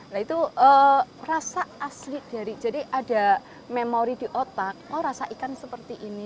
nah itu rasa asli dari jadi ada memori di otak oh rasa ikan seperti ini